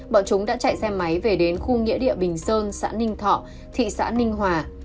bọn chúng đã chạy xe máy về đến khu nghĩa địa bình sơn xã ninh thọ thị xã ninh hòa